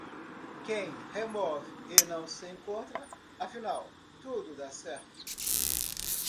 Quem remove e não se encontra, afinal, tudo dá certo.